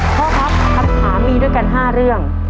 พ่อครับคำถามมีด้วยกัน๕เรื่อง